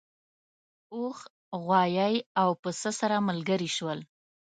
اوښ غوایی او پسه سره ملګري شول.